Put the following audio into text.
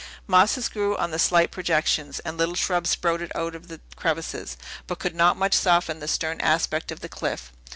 Mosses grew on the slight projections, and little shrubs sprouted out of the crevices, but could not much soften the stern aspect of the cliff.